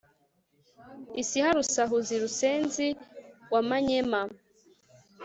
isiha rusahuzi rusenzi wa manyema